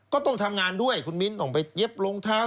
ก็ต้องทำงานด้วยคุณมิ้นต้องไปเย็บรองเท้า